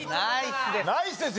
ナイスです。